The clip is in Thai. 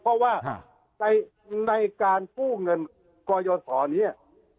เพราะว่าในการกู้เงินกยศรนี้